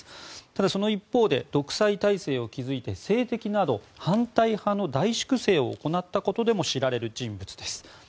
ただ、その一方で独裁体制を築いて政敵など反対派の大粛清を行ったことでも知られる人物です。